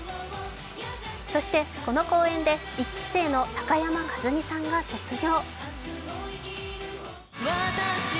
そしてこの公演で１期生の高山一実さんが卒業。